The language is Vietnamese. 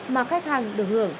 mà khách hàng được hưởng